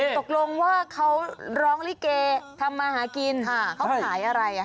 ตกลงว่าเขาร้องลิเกทำมาหากินเขาขายอะไร